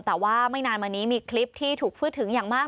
แต่ว่าไม่นานมานี้มีคลิปที่ถูกพูดถึงอย่างมาก